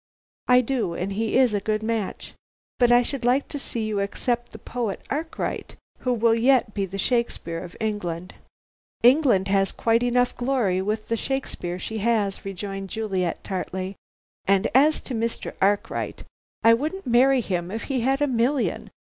"I do, and he is a good match. But I should like to see you accept the Poet Arkwright, who will yet be the Shakespeare of England." "England has quite enough glory with the Shakespeare she has," rejoined Juliet tartly, "and as to Mr. Arkwright, I wouldn't marry him if he had a million.